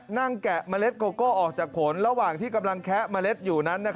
แกะเมล็ดโกโก้ออกจากขนระหว่างที่กำลังแคะเมล็ดอยู่นั้น